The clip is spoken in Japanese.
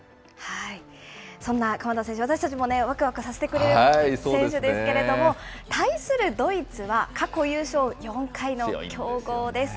そんな鎌田選手、私たちもわくわくさせてくれる選手ですけれども、対するドイツは、過去優勝４回の強豪です。